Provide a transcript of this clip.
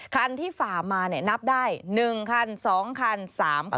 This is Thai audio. คันที่ฝ่ามานับได้๑คัน๒คัน๓คัน